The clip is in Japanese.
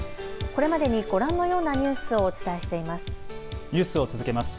これまでにご覧のようなニュースをお伝えしています。